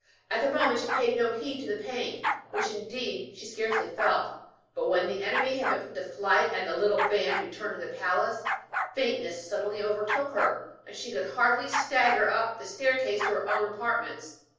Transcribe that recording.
At the moment she paid no heed to the pain, which, indeed, she scarcely felt; but when the enemy had been put to flight and the little band returned to the palace, faintness suddenly overtook her, and she could hardly stagger up the staircase to her own apartments.